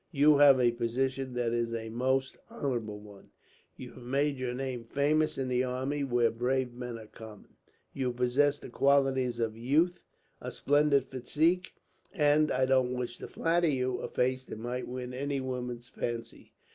"You have a position that is a most honourable one. You have made your name famous in the army, where brave men are common. You possess the qualities of youth, a splendid physique, and I don't wish to flatter you a face that might win any woman's fancy.